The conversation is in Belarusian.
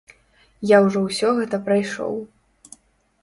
Я ўжо ўсё гэта прайшоў.